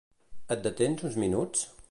Et detens uns minuts?